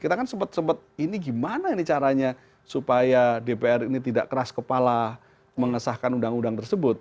kita kan sempat sempat ini gimana ini caranya supaya dpr ini tidak keras kepala mengesahkan undang undang tersebut